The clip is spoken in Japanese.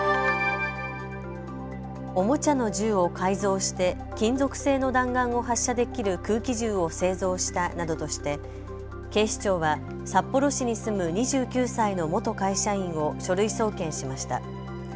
おもちゃの銃を改造して金属製の弾丸を発射できる空気銃を製造したなどとして警視庁は札幌市に住む２９歳の元会社員を書類送検しました。